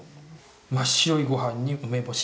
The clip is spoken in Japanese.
真っ白い御飯に梅干し１つ。